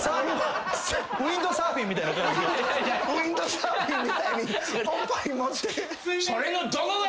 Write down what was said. ウインドサーフィンみたいにおっぱい持って。